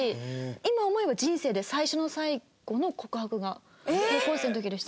今思えば人生で最初で最後の告白が高校生の時でした。